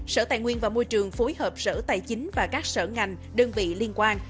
sở tài nguyên và môi trường phối hợp sở tài chính và các sở ngành đơn vị liên quan